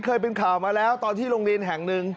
เคยเป็นข่าวมาแล้วตอนที่โรงเรียนแห่งหนึ่ง